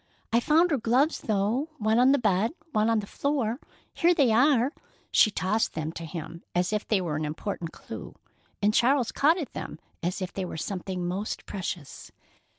I found her gloves, though—one on the bed, and one on the floor. Here they are." She tossed them to him as if they were an important clue, and Charles caught at them as if they were something most precious.